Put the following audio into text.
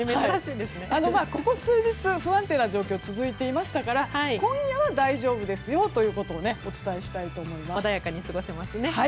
ここ数日、不安定な状況が続いていましたから今夜は大丈夫ですよということを穏やかに過ごせますね。